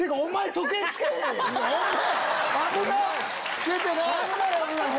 着けてない！